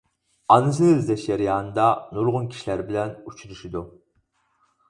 ئانىسىنى ئىزدەش جەريانىدا نۇرغۇن كىشىلەر بىلەن ئۇچرىشىدۇ.